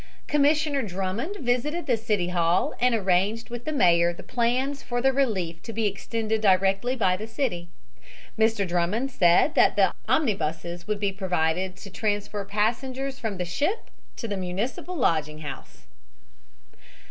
Commissioner Drummond visited the City Hall and arranged with the mayor the plans for the relief to be extended directly by the city. Mr. Drummond said that omnibuses would be provided to transfer passengers from the ship to the Municipal Lodging House.